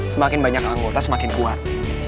semakin banyak anggota semakin kuat